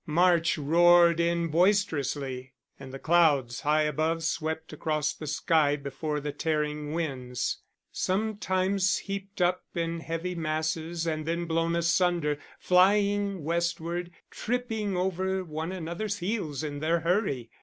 March roared in boisterously, and the clouds, high above, swept across the sky before the tearing winds, sometimes heaped up in heavy masses and then blown asunder, flying westwards, tripping over one another's heels in their hurry.